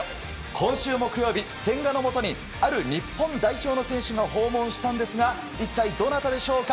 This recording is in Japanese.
今週木曜日、千賀のもとにある日本代表の選手が訪問したんですが一体、どなたでしょうか。